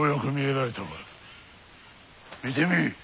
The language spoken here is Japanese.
見てみい。